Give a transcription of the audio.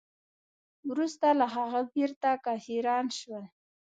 وروسته له هغه بیرته کافران شول.